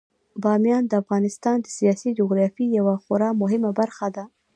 بامیان د افغانستان د سیاسي جغرافیې یوه خورا مهمه برخه ده.